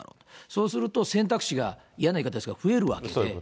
そうすると選択肢が嫌な言い方ですが増えるわけですよね。